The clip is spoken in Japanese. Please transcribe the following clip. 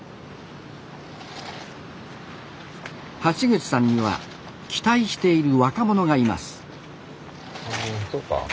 橋口さんには期待している若者がいます。